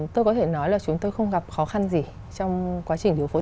tôi có thể nói là chúng tôi không gặp khó khăn gì trong quá trình điều phối